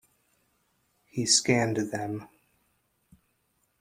He scanned them.